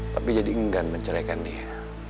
tapi jadi enggan menceraikan dia